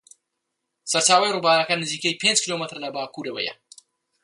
سەرچاوەی ڕووبارەکە نزیکەی پێنج کیلۆمەتر لە باکوورەوەیە.